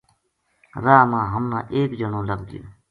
راہ ما ہم نا ایک جنو لَبھ گیو